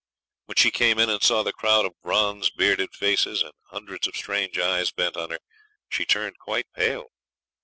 When she came in and saw the crowd of bronze bearded faces and hundreds of strange eyes bent on her, she turned quite pale.